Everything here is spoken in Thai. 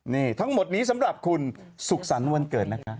นี่ทั้งหมดนี้สำหรับคุณสุขสรรค์วันเกิดนะคะ